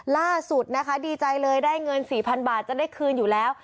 ล่าสุดนะคะดีใจเลยได้เงิน๔๐๐๐บาทจะได้คืนอยู่แล้ว